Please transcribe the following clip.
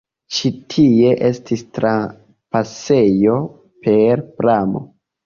Ĉi tie estis trapasejo per pramo.